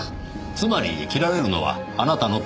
つまり切られるのはあなたのプロジェクトです。